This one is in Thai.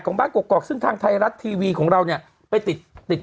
บ้านกรอกซึ่งทางไทยรัฐทีวีของเราเนี่ยไปติดติด